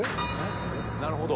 なるほど。